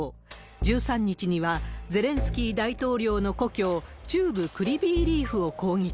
１３日には、ゼレンスキー大統領の故郷、中部クリビーリーフを攻撃。